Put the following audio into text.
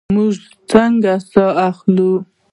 موږ څنګه ساه اخلو؟